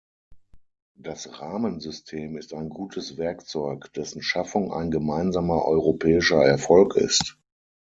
Das Rahmensystem ist ein gutes Werkzeug, dessen Schaffung ein gemeinsamer europäischer Erfolg ist.